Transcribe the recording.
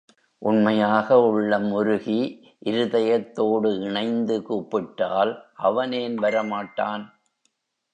உண்மையாக உள்ளம் உருகி, இருதயத்தோடு இணைந்து கூப்பிட்டால் அவன் ஏன் வர மாட்டான்?